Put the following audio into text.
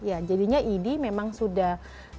ya jadinya idi memang sudah